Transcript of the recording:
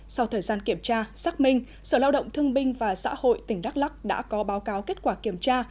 sau thời gian kiểm tra xác minh sở lao động thương binh và xã hội tỉnh đắk lắc đã có báo cáo kết quả kiểm tra